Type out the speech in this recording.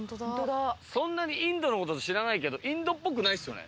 そんなにインドのこと知らないけどインドっぽくないっすよね。